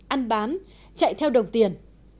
ăn bán chạy theo đồng tiền